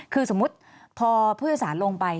คือสมมุติพอผู้โดยสารลงไป